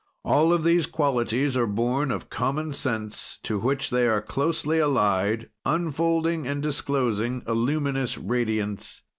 "All of these qualities are born of common sense, to which they are closely allied, unfolding and disclosing a luminous radiance.